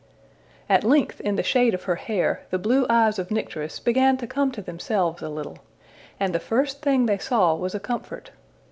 At length, in the shade of her hair, the blue eyes of Nycteris began to come to themselves a little, and the first thing they saw was a comfort.